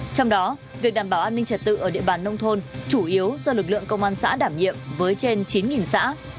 trong đó việc đảm bảo an ninh trật tự ở địa bàn nông thôn chủ yếu do lực lượng công an xã đảm nhiệm với trên chín xã